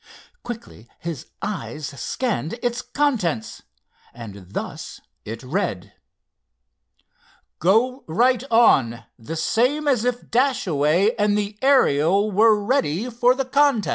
Quickly his eyes scanned its contents. And thus it read: "Go right on, the same as if Dashaway and the Ariel were ready for the contest."